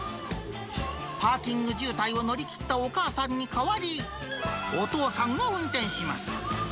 パーキング渋滞を乗り切ったお母さんに代わり、お父さんが運転します。